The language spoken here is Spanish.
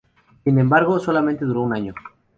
Sin embargo, solamente duró un año.